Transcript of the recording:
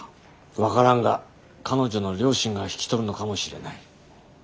分からんが彼女の両親が引き取るのかもしれない。